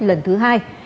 lần thứ hai